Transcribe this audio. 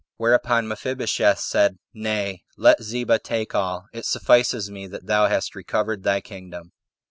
20 Whereupon Mephibosheth said, "Nay, let Ziba take all; it suffices me that thou hast recovered thy kingdom."